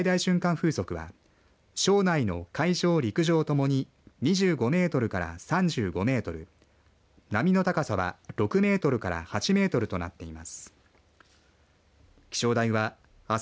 風速は庄内の海上陸上ともに２５メートルから３５メートル波の高さは６メートルから８メートルとなっています。